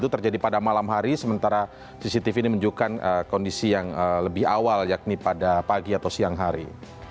terjadi pada malam hari sementara cctv ini menunjukkan kondisi yang lebih awal yakni pada pagi atau siang hari